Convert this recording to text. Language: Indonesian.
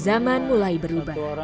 zaman mulai berubah